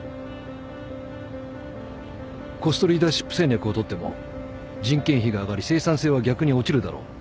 コストリーダーシップ戦略をとっても人件費が上がり生産性は逆に落ちるだろう。